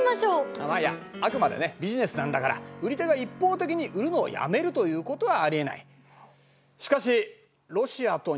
あっまあいやあくまでねビジネスなんだから売り手が一方的に売るのをやめるということはありえない。